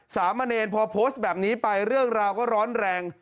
สามเณรพอโพสต์แบบนี้ไปเรื่องราวก็ร้อนแรง